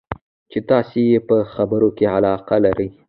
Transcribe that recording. چې تاسې یې په خبرو کې علاقه لرئ.